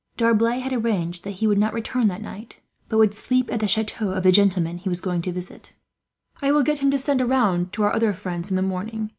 D'Arblay had arranged that he would not return that night, but would sleep at the chateau of the gentleman he was going to visit. "I will get him to send around to our other friends, in the morning.